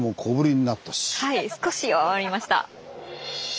はい少し弱まりました。